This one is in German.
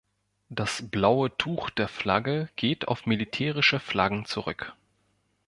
Das blaue Tuch der Flagge geht auf militärische Flaggen zurück.